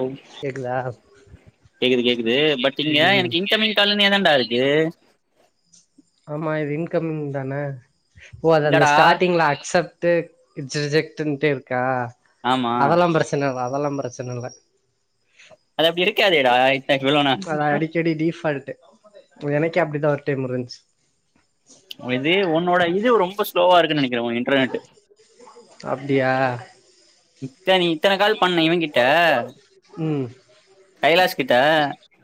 ஓ கேக்குதா கேக்குது கேக்குது பட் இங்க ம் எனக்கு இன் இன்கம்மிங் காலுனேதாடா இருக்கு ஆமா இது இன்கம்மிங் தான ஓ அது அந்த இல்லடா ஸ்டார்டிங்ல அக்செப் ட் ரிஜெக்ட்ன்டே இருக்கா ஆமா அதெல்லா பிரச் இத்தனவா அதெல்லா பிரச்சன இல்ல அது அப்டி இருக்காதேடா இத்த இவ்ளோனா அத அடிக் செடி டிபால்ட் எனக்கே அப்டிதா ஒரு டைம் இருந்துச்சு ஒ இதே உன்னோட இது ரொம்ப ஸ்லோவா இருக்குன்னு நெனைக்கிறே இன்டர்நெட் அப்டியா இத்தின இத்தன கால் பண்ணே இவன் கிட்ட ம் கைலாஷ் கிட்ட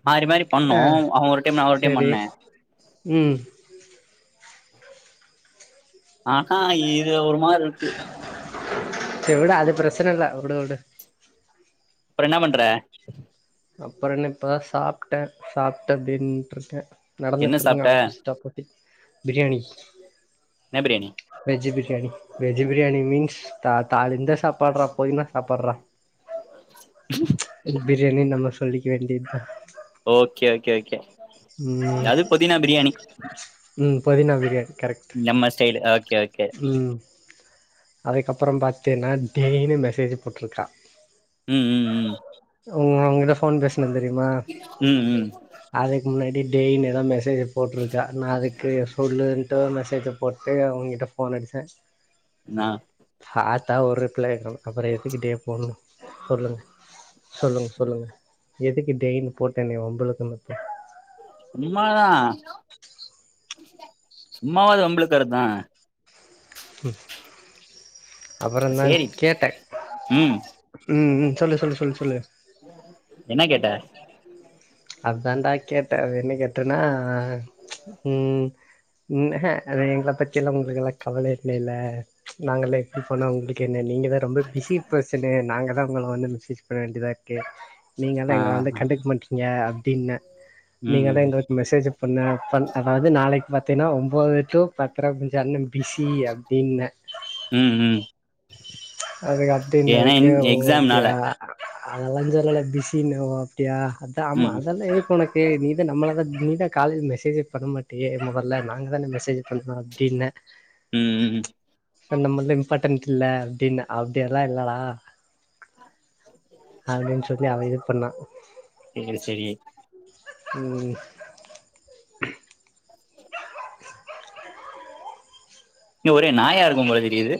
மாறி மாறி ஆ பண்ணோ‌ அவன் ஒரு டைம் நா ஒரு டைம் செரி பண்ணே ம் ஆஹா இது ஒரு மாறி இருக்கு செர் விடு அது பிரச்சன இல்ல விடு விடு அப்றோ என்னா பன்ற அப்றோ என்ன இப்போதா சாப்ட்டே சாப்ட்டு அப்டே நின்னுட்டு இருக்கே என்ன நடந்துட்டு இருங்க சாப்ட்ட புஸ்டா போட்டி பிரியாணி என்ன biryani veg biryani veg biryani means த தா இந்த சாப்பாறா பொதினா சாப்பாறா [unintelligible] பிரியாணினு நம்ம சொல்லிக்க வேண்டிதா ஓகே ஓகே ஓகே ம் அது பொதினா பிரியாணி ம் பொதினா பிரியாணி கரெக்ட் நம்ம ஸ்டைல்லு ஓக் ம் அதுக்கப்றோ பாத்தீன்னா டெய்லியு மெசேஜ் போட்ருக்கா ம் ம் ம் ம் ம் ஒங்கிட்ட ஃபோன் பேசுனே தெரிமா ம் ம் அதுக்கு முன்னாடி டேய்னேதா மெசே ஜ போட்ருக்கா நா அதுக்கு சொல்லுன்ட்டு மெசேஜ்ஜ போட்டு ஒங்கிட்ட ஃபோன் அடிச்சே நா பாத்தா ஒரு ரிப்ளய காணு அப்றோ எதுக்கு டே போடணு சொல்லுங்க சொல்லுங்க சொல்லுங்க எதுக்கு டேயினு போட்டு என்னைய வம்பு இழுக்குனு சும்மாதா சும்மாவாது வம்பு இழுக்குறதா [unintelligible] அப்றோ தா சேரி கேட்ட ம் ம் ம் சொல்லு சொல்லு சொல்லு சொல்லு என்னா கேட்ட அதான்டா கேட்ட அ என்ன கேட்டேன்னா ம் ம் அ அது எங்கள பத்தியெல்லா உங்களுக்கெல்லா கவல இல்லலே நாங்களே இப்பனா உங்களுக்கு என்ன நீங்க தா ரொம்ப பிஸி பெர்சனு நாங்க தா உங்கள வந்து மெசேஜ் பண்ண வேண்டியதா இருக்கு ஆ நீங்கதா எங்கள வந்து கண்டுக்க மாட் டிங்க அப்டின்ன ம் நீங்க தா எங்க மெசேஜ் பண்ண பண் அதாவுது நாளைக்கு பாத்தீன்னா ஒ ம்போது டூ பத்ர கொஞ்சோ அண்ண பிஸி அப்டின்ன ம் ம் அதுக்கு ஏன்னா அப்டினதுக்கு ஓ எக்ஸாம்னால அப்டியா அ அதெல்லா சொல்லல பிசின்னு ஓகேயா அதா ஆமா ம் அதெல்லா எதுக்கு ஒனக் சேரி நீதா நம்மளதா நீதா காலையில மெசேஜே பண்ண மாட்டியே மொதல்ல நாங்கதான மெசேஜ் பண்ணிணோ அப்டின்ன ம் ம் ச நம்மளா இம்பாட்டன்ட்ஸ் இல்ல அப்டின்னா அப்டியெல்லா இல்லடா அப்டின்னு சொல்லி அவ இது பண்ணா சேரி சேரி ம் இங்க ஒரே நாயா இருக்கும் போல தெரியுது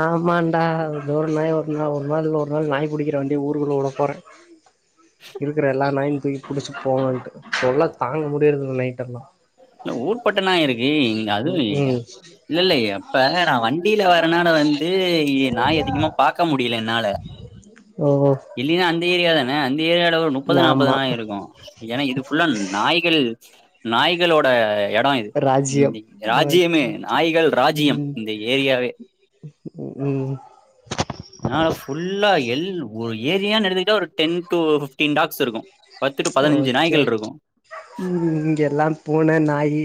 ஆமாண்டா ஒரு ஒரு நாயா ஒரு நாள் ஒரு நாளில்ல ஒரு நாள் நாய் புடிக்குற வண்டிய ஊருக்குள்ள வுட போறே இருக்குற எல்லா நாயு தூக்கி புடிச்சு போவன்ட்டு தொல்ல தாங்க முடியற்தில்ல நைட்டல்லா இல்ல ஊர்பட்ட நாய் இருக்கு இங்க அதுவு ம் ம் இல்ல இல்ல எப்ப நா வண்டியில வரனால வந்து இ நாய் அதிகமா பாக்க முடியில என்னால ஓ இல்லன்னா அந்த ஏரியாதான அந்த ஏரியால ஒரு முப்பது நாப்பது ஆமா நாயிருக்கு ஏன்னா இது ஃபுல்லா நாய்கள் நாய்களோட எடம் இது ராஜ்யம் இந்தி ஓகே ராஜ்யமே ஓகே நாய்கள் ராஜ்யம் ம் இந்த ஏரியாவே ம் ஃபுல்லா எல் ஒரு ஏரியானு எடுத்துக்கிட்டா ஒரு டென் டு ஃபிஃப்டீன் டாக்ஸ் இருக்கு பத்து டு பதினஞ்சு ஓகே நாய்கள் ஓகே இருக்கு ம் இங்கெல்லா பூன நாயி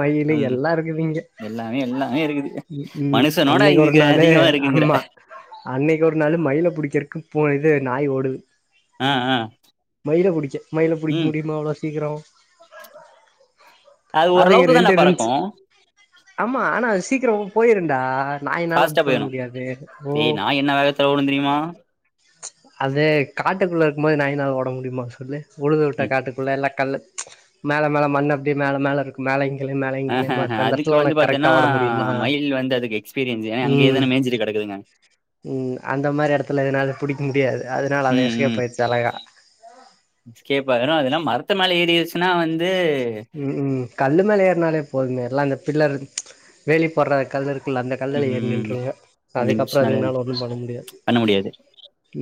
மயிலு ம் எல்லா இருக்குதிங்க எல்லாமே எல்லாமே இருக்கு ம் ம் அன்னைக்கு ஒரு நாளு இருக்குங்கிற ஆமா அன்னைக்கு ஒரு நாளு மயில புடிக்ற்க்கு போ இது நாய் ஓடுது ஆ ஆ மயில புடிக்க மயில புடிக்க ம் முடியுமா அவ்ளோ சீக்கிரோ அது அதுங்க ஓரளவுக்கு ரெண்டு தான்டா பறக்கு இருந்த்ச்சு ஆமா ஆனா அது சீக்கிரோ போயிருண்டா நாயினால இது ஃபாஸ்ட்டா பண்ண போயிரு முடியாது ஓ டேய் [unintelligible] தெரியுமா அது காட்டுக்குள்ள இருக்கும்போது நாயின்னால ஓட முடியுமா சொல்லு உழுது வுட்ட ம் காட்டுக்குள்ள இல்ல கல்ல மேல மேலே மண் அப்டியே மேலே மேலே இருக் ம்ஹ்ஹ அதுக்கு வந்து பாத்தீன்னா கரெக்டா ஓட முடியுமா மயில் வந்து அதுக்கு எக்ஸ் பிரியன்ஸு ம் அங்கயேதன மேஞ்சிட்டு கெடக்குதுங்க ம் அந்த மாரி எடத்துல அதனால ம் புடிக்க முடியாது அதனால அது எஸ்கேப் ஆயிருச்சி அழகா எஸ்கேப்பு ஆயிரு அதெல்லா மரத்து மலே ஏரிடிச்சினா வந்து ம் ம் கல்லு மேல ஏறுனாலே போதுமே எல்லா அந்த பில்லர் வேலி போடுற கல் இருக் குள்ள அந்த ம் கல்லுல ஏறி ம், நின்றுங்க அதுக்கப்றோ ம், அதுங்க்னால ஒன்னு பண்ண முடியாது பண்ண முடியாது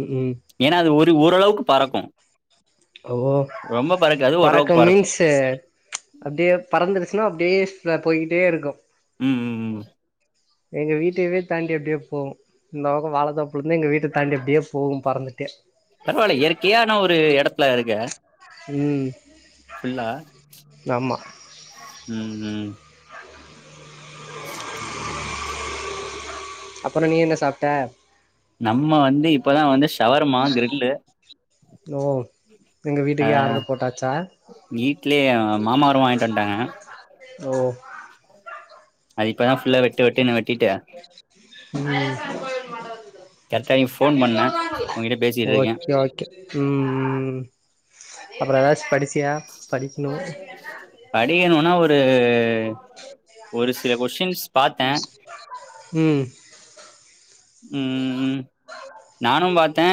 ம் ம் ஏன்னா அது ஒரு ஓரளவுக்கு பறக்கு ஓ ரொம்ப அது ஓரளவுக்கு பறக்கு மீன்ஸு அப்டியே பறந்துருச்சினா அப்டியே [unintelligible] போயிட்டே இருக்கு ம் ம் ம் எங்க வீட்டயவே தாண்டி அப்டியே போவு இந்த பக்கோ வாழதோப்புலந்து எங்க வீட்ட தாண்டி அப்டியே போகு பறந்துட்டு பரவாயில இயற்கையான ஒரு எடத்துல இருக்க ம் ஃபுல்லா ஆமா ம் ம் சீ அப்பறொ நீ என்ன சாப்ட்ட நம்ம வந்து இப்பதா வந்து ஷவர்மா கிரில்லு ஓ எங்க வீட்டுக்கே ஆர்ரு போட்டாச்சா வீட்லயே மாமா வரம்மோ வாங்கிட்டு வன்ட்டாங்க ஓ அது இப்பதா ஃபுல்லா வெட்டு வெட்டுனு வெட்டிட்டு ம் கரெக்டா நீ ஃபோன் பண்ண உங்கிட்ட பேசிட்டு இருக்கே ஓகே ஓகே ம் ம் அப்பற எதாச்சு படிச்சியா படிக்கனு படிக்கனூனா ஒரு ஒரு சில கொஷின்ஸ் பாத்தே ம் ம் ம் நானும் பாத்தே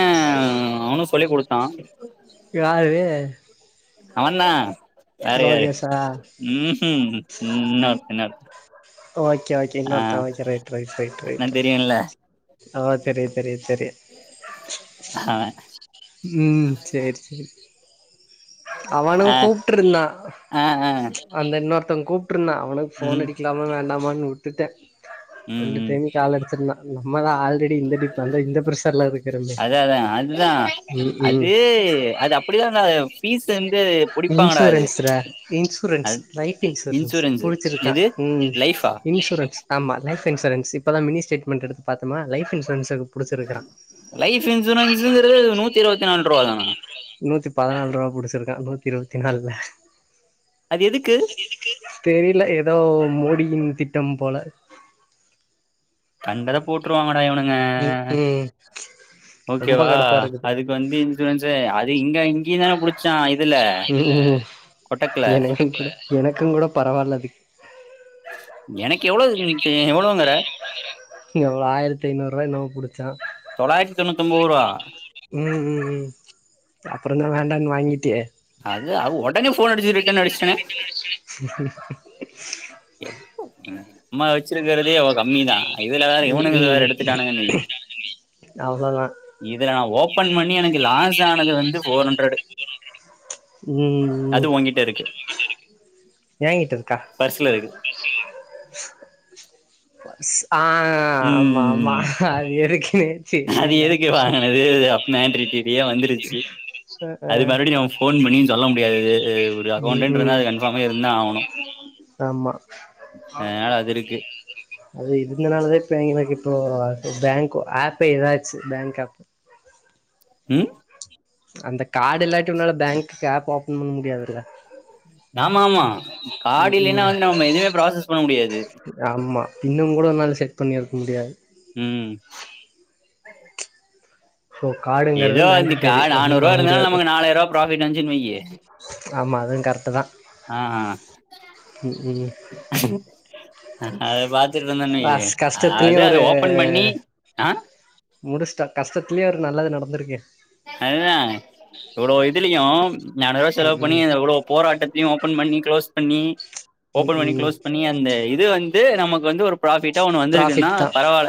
அவனு சொல்லிக் குடுத்தா யாரு அவந்தா வேறயாரு லோகேஷா ம்ஹும் இன்னொருத்த இன்னொரு ஓகே ஓகே இன்னொருத்தெ ஓகே ரைட் ரைட் ரைட் நா ரைட்டு தெரியுல்ல ஓ தெரியி தெரியி தெரிய ஹ ம் சேர் சேரி அவனு ஆ கூப்ட்ருந்தா ஆ ஆ அந்த இன்னொருத்த கூப்ட்ருந்தா அவனுக் ஃபோன் ம் அடிக்லாமா வேண்டாமான் வுட்டுட்டே ம் ரெண்டு ம் டைம் கால் அடுச்சிருந்தா நம்மதா ஆல்ரெடி இந்த டிப்ப அந்த இந்த பிரஷர்ல இரு அதா அதா அதுதா அது அது அப்புடிதான்டா இன்சூரன்ஸுடா இன்சூரன்ஸ் அது லைஃப் இன்சூரன்ஸ் இன்சூரன்ஸு புடுச்சிருக்கா எது ம் லைஃபா இன்ஷுரன்ஸ் ஆமா லைஃப் இன்சூரன்ஸ் இப்போதா மினி ஸ்டேட்மெண்ட் எடுத்து பாத்தொமா லைஃப் இன்சூரன்ஸ லைஃப் இன்சூரன்ஸுங்கிறது நூத்தி இருவத்தி நால் ருவாதானா பதுனால் ருவா புடுச்சிருக்கா நூத்தி இருவத்தி நாலுல்ல அது எதுக்கு தெரில எதோ மோடியின் திட்டம் போல கண்டதப் போட்ருவாங்கடா இவனுங்க ம் ம் ரொம்ப ஓகேவா கடுப்பா இருக்குது அதுக்கு வந்து இன்சூரன்ஸு அது இங்க இங்கயு தான புடுச்சா [unintelligible] கொட்டக்ல எனக்குங் கூட பரவால்லது எனக்கு எவ்ளோ தே எவ்ளோங்குற எவ்ளோ ஆயிரத்தி ஐந்நூறுவா என்னமோ புடுச்சா தொள்ளாயிரத்தி தொண்ணூத்தொம்போது ரூவா ம் ம் ம் அப்பறந்தா வேண்டான்னு வாங்கிட்டியே அது அவ் ஒடனே ஃபோன் அடுச்சு ரிட்டன் அடுச்டனே ச ச நம்ம வச்சுருக்குறதே அவ கம்மிதா இதுல வேற ம் இவனுங்கள் வேற ம் எடுத்துட்டானுங்கன் வை அவ்வளோதான் இது நான் ஓபன் பண்ணி எனக்கு லாஸ் ஆனது வந்து போர் ஹண்ட்ரடு ம் உங்கிட்ட இருக்கு ம் என்ங்கிட்டருக்கா கீழ இருக்கு ஸ் அ ஆமா ஆமா ம் அது எனக்கே தெரில மேண்டிறிட்ரியா வந்துருச்சு அஹ் அது அஹ். மறுபடியும் ஃபோன் பண்ணியும் சொல்ல முடியாது ஒரு ம் ம் அக்கௌண்டன்ட்ருந்தா அது கன்ஃபார்மா இருந்தா ஆவனும் ஆமா அது இருக்கு அது இருந்தனாலதான் இப்ப எனக்கு இப்போ பேங்க் ஆப்பே இதாச்சு பேங்க் ஆப் ம் அந்த கார்டு இல்லாட்டி உன்னால பேங்க்குக்கு ஆப் ஓபன் பண்ண முடியாதுல்ல ஆமா ஆமா காடு ம் இல்லேனா ம் வந்து நம்ம எதுவுமே ப்ராசஸ் பண்ண முடியாது ஆமா இன்னுங்கூட என்னால செட் பண்ணிருக்க முடியாது ம் ஒ காடுங்கறது ஏதோ இந்த கா மேண்டிட்டரி ஒன்னும் நானூறு ரூபா பண்ண இருந்தாலு முடியாது நமக்கு நாலாயிர ரூபா ப்ராஃபிட் வந்துச்சுன்னு வையி ஆமா அதும் கரெட்டு தான் அ அ ம் ம் அது பாத் துட்ருந்தன் வெய்யு அஸ் அதா கஷ்டத்துலயும் அத ஒரு ஓபன் பண்ணி அ முடிச்ட்டன் கஷ்டத்துலயும் ஒரு நல்லது நடந்துருக்கு அதுதான் இவ்ளோ இதுலியும் நானூருவா ம் செலவு பண்ணி ம் எவ்ளோ போராட்டத் தியும் ஓபன் பண்ணி க்ளோஸ் பண்ணி ம் ஓபன் பண்ணி ம் க்ளோஸ் பண்ணி அந்த இது வந்து நமக்கு வந்து ஒரு ப்ராஃபிட்டா ஒண்ணு வந்துருக்குன்னா ப்ராஃபிட் தான் பரவால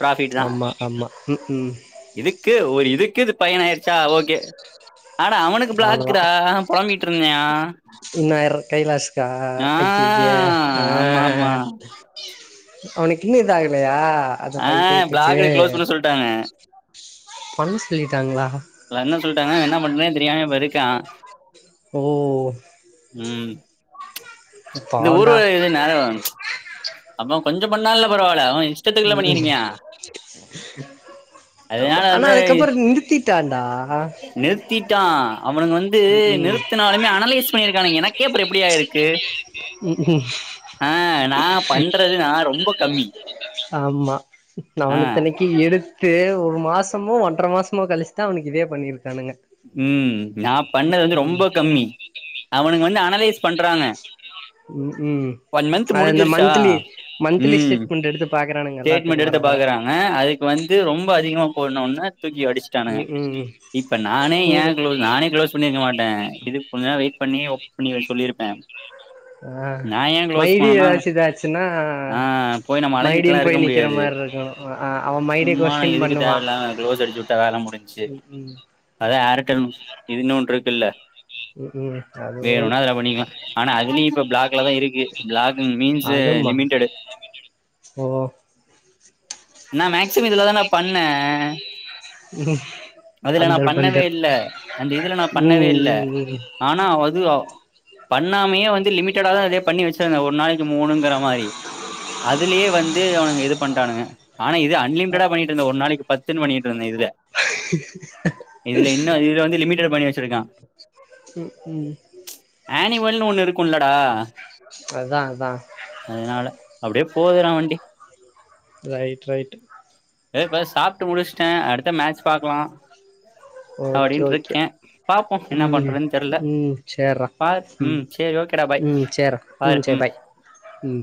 ப்ராஃபிட் தான் ஆமா ஆமா ம் ம் இதுக்கே ஓரங இதுக்கே இது பயனாயிருச்சா ஓகே அட அவனுக்கு பிளாக்குறா பொளம்பிட்ருந்தியான் இன்னார் கைலாஸ்கா அய்யய்ய அ ஆமா ஆமா அவனுக்கு இன்னு இதாகலையா அந்த ஆ பைத்தியத்துக்கு பிளாக் க்ளோஸ் பண்ண சொல்லிட்டாங்க பண் சொல்லிட்டாங்ளா ல்ல என்ன சொல்ட்டாங்க என்ன பண்றதுனே தெரியாம இப்பிருக்கான் ஓ ம் இந்த ஊரு பாவண்டா ஏது நரவம் அப்ப கொஞ்சோம் பண்ணால்ல பரவால்ல அவன் இஷ்டத்துக்குல்ல ம் ம் பண்ணியிருக்கியான் ஆமா ஆனா அதுக்கப்புறம் நிறுத்திட்டான்டா நிறுத்திட்டான் அவனுங்க வந்து ம் ம் நிறுத்துனாலுமே அனலைஸ் பண்ணியிருக்கானுங்க எனக்கேப்ற எப்பிடியாயிருக்கு அ நா ஆமா நா வந்து ஆஹ் இத்தனிக்கி எடுத்து ஒரு மாசமோ ஒன்ற மாசமோ கழிச்சுதான் அவுனுக்கு இதே பண்ணிருக்கானுங்க ம் நா பண்ணது வந்து ம் ரொம்ப கம்மி அவுனுங்க வந்து அனலைஸ் பண்றாங்க ம் ம் வன் மன்ந்த் முடிஞ்சுருச்சா ம் இது யெடுத்து பாக்குறானுங்க எல்லாத்துக்கு ஸ்டேட்மெண்ட் வர எடுத்து வர பாக்குறாங்க அதுக்கு வந்து ரொம்ப அதிகமா போன்னோன்ன தூக்கி அடிச்சி ச்சானுக ம் ம் இப்ப நானே கூ ஏன் க்ளோ நானே க்ளோஸ் பண்ணிருக்க மாட்டேன் இது கொஞ்ச நாள் வெயிட் பண்ணி ஓபன் பண்ணி சொல்லிருப்பேன் ஆ நா ஏன் க்ளோஸ் மைடி பண்ணனா ஏதாச்சு இதாச்சுன்னா அ போய் நம்ம அலஞ்சி மைடியும் ட்ருக்க போய் நிக்கிற முடியாது மாரி இருக்கணு ஆ அவ மைடி சும்மா கொஸ்டின் எதுக்கு பண்ணுவா தேவையில்லாம க்ளோஸ் அடிச்சுட்டா வேல முடிஞ்ச்சு ம் ம் அதா ஆர்டெல் இதுன் ஒன்ருக்குல்ல ம் ம் அது ஒரு வேணுனா அதுல பண்ணிக்கலா ஆனா அதுலயு இப்ப ப்ளாக்ல தா இருக்கு பிளாக் மீன்ஸ் அதுமா லிமிடெட் ஓ நா மேக்சிமம் இதுலதான்டா பண்ணே அதுல நா அந்தர் பண்ணவே பந்தர் இல்ல அந்த இதுல நா ம் பண்ணவே இல்ல ம் ம் ஆனா அதுவ பண்ணாமையே வந்து லிமிட்டடா தா அதே பண்ணி வச்சுருங்க ஒரு நாளைக்கு மூணுங்கிற மாரி அதுலேயே வந் து அவ்னுங்க இது பண்டாணுங்க ஆனா இது அன்லிமிடா பண்ணிட்டு இருந்த ஒரு நாளைக்கு பத்துனு பண்ணிட்டு இருந்த இதுல இதுல இன்னு இதுல வந்து லிமிட்டட் பண்ணி வச்சிருக்கா ம் ம் ஆனிவல்னு ஒண்ணு இருக்கும்ல்லடா அதா அதா அதனால அப்டியே போதுறா வண்டி ரைட் ரைட் இத இப்ப சாப்ட்டு முடிச்சுட்டே அடுத்த மேட்ச் பாக்கலா ஓகே அப்டினு ஓகே இருக்கே பாப்போ என்ன ம் பண்றேன்து தெரில ம் சேர்றா பா ம் சேரி ஓகேடா பாய் ம் சேர்றா பாரு சரி ம் பாய் ம்